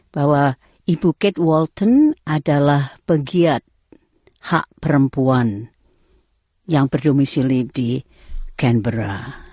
bahwa ibu kate walton adalah pegiat hak perempuan yang berdomisili di genbera